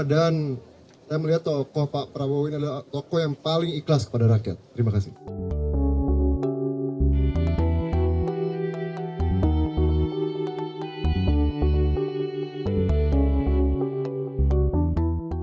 dan saya melihat tokoh pak prabowo ini adalah tokoh yang paling ikhlas kepada rakyat terima kasih